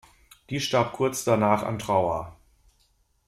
Die starb kurz danach an Trauer.